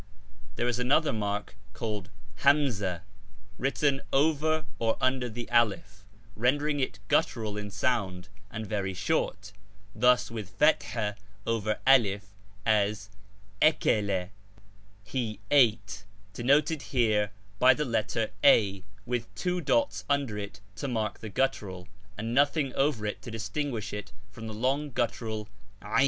There is another mark called CjS hamssah *, written over or under the 1 alif, rendering it guttural in sound and very short, thus, with thefat&ah over 1 alif, M j£ l akaJa, ' he eat,' denoted here by the letter a, with two dots under it to mark the guttural, and nothing over it to distinguish it from the long guttural a, e din.